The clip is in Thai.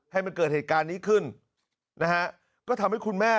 ให้มันเกิดเหตุการณ์นี้ขึ้นนะฮะก็ทำให้คุณแม่